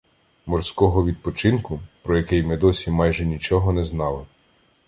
Морського відпочинку, про який ми досі майже нічого не знали